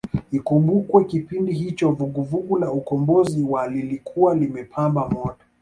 Ikumbukwe kipindi hicho vuguvugu la Ukombozi wa lilikuwa limepamba moto